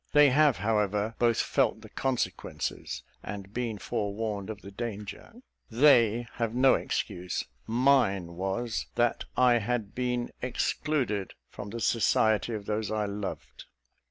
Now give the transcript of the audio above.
They have, however, both felt the consequences, and been forewarned of the danger. They have no excuse: mine was, that I had been excluded from the society of those I loved.